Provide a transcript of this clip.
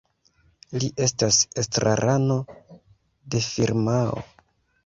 Li estas estrarano de firmao.